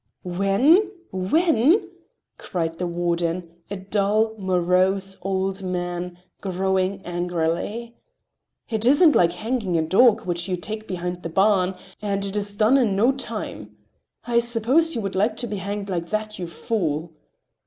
"When? When?" cried the warden, a dull, morose old man, growing angry. "It isn't like hanging a dog, which you take behind the barn—and it is done in no time. I suppose you would like to be hanged like that, you fool!"